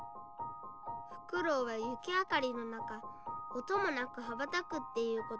フクロウは雪明かりの中音もなく羽ばたくっていうこと。